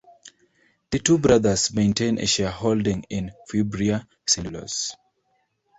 The two brothers maintain a shareholding in Fibria Cellulose.